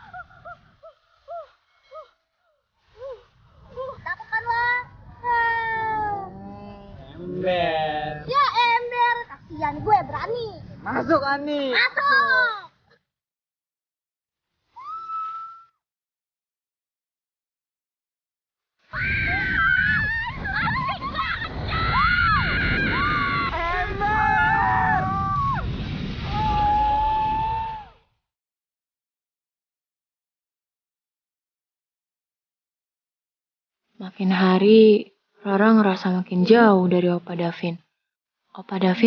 nanti tambah basah lagi disini